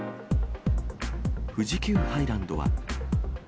富士急ハイランドは。